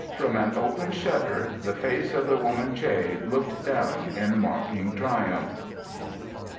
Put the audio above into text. From an open shutter the face of the woman Che looked down in mocking triumph.